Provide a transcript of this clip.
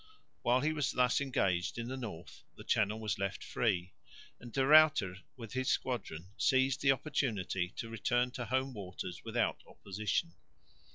While he was thus engaged in the north the Channel was left free; and De Ruyter with his squadron seized the opportunity to return to home waters without opposition.